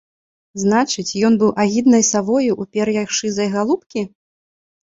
Значыць, ён быў агіднай савою ў пер'ях шызай галубкі?